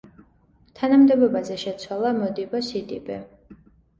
თანამდებობაზე შეცვალა მოდიბო სიდიბე.